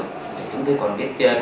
chúng tôi còn biết